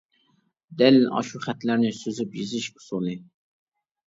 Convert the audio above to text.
دەل ئاشۇ خەتلەرنى سوزۇپ يېزىش ئۇسۇلى.